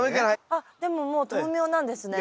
あっでももう豆苗なんですね。